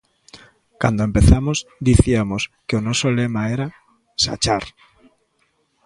Cando empezamos, diciamos que o noso lema era... sachar.